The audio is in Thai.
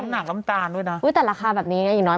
นางกำตาลด้วยนะแต่ราคาแบบนี้เนี่ยอย่างน้อย